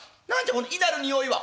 この異なる匂いは」。